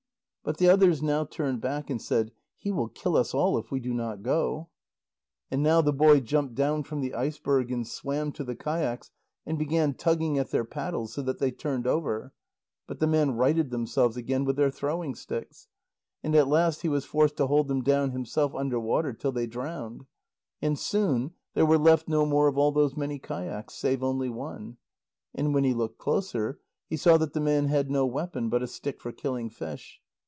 But the others now turned back, and said: "He will kill us all if we do not go." And now the boy jumped down from the iceberg and swam to the kayaks and began tugging at their paddles, so that they turned over. But the men righted themselves again with their throwing sticks. And at last he was forced to hold them down himself under water till they drowned. And soon there were left no more of all those many kayaks, save only one. And when he looked closer, he saw that the man had no weapon but a stick for killing fish.